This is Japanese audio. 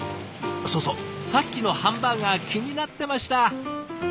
そうそうさっきのハンバーガー気になってました。